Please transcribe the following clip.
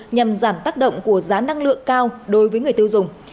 nhằm giảm tác động của giá năng lượng cao đối với người tiêu dùng